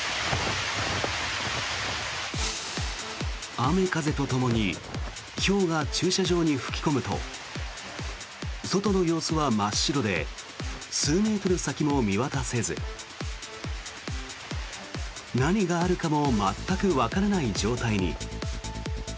雨風とともにひょうが駐車場に吹き込むと外の様子は真っ白で数メートル先も見渡せず何があるかも全くわからない状態に。